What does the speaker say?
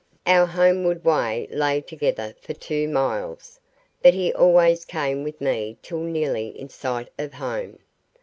Our homeward way lay together for two miles, but he always came with me till nearly in sight of home.